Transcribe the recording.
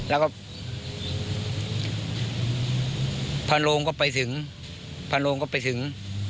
แล้วก็พาโรงก็ไปถึงพาโรงก็ไปถึง